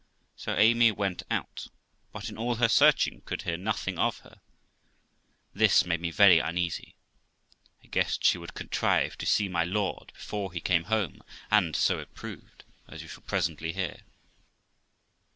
So Amy went out, but in all her searching could hear nothing of her; this made me very uneasy. I guessed she would contrive to see my lord before he came home, and so it proved, as you shall presently hear.